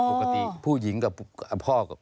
พ่อที่รู้ข่าวอยู่บ้าง